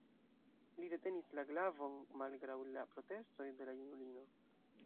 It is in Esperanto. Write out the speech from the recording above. Li retenis la glavon malgraŭ la protestoj de la junulino.